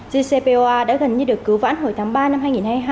jcpo đã gần như được cứu vãn hồi tháng ba năm hai nghìn hai mươi hai